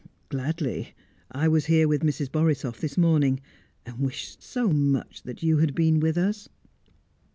"Gladly! I was here with Mrs. Borisoff this morning, and wished so much you had been with us."